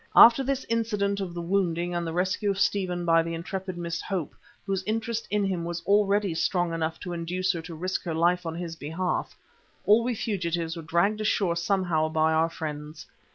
After this incident of the wounding and the rescue of Stephen by the intrepid Miss Hope, whose interest in him was already strong enough to induce her to risk her life upon his behalf, all we fugitives were dragged ashore somehow by our friends.